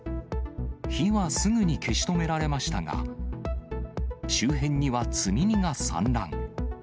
火はすぐに消し止められましたが、周辺には積み荷が散乱。